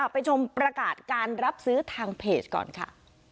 ไปชมประกาศการรับซื้อทางเพจก่อนค่ะ